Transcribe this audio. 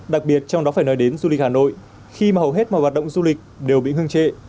đặc biệt trong đó phải nói đến du lịch hà nội khi mà hầu hết mọi hoạt động du lịch đều bị ngưng trệ